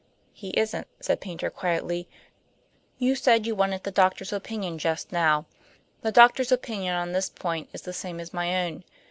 "He isn't," said Paynter quietly; "you said you wanted the doctor's opinion just now. The doctor's opinion on this point is the same as my own.